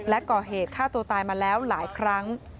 และก่อเหตุฆ่าตัวตายมาแล้วหลายครั้ง